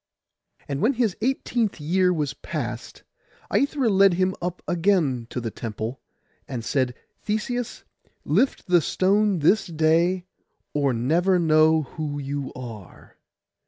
And when his eighteenth year was past, Aithra led him up again to the temple, and said, 'Theseus, lift the stone this day, or never know who you are.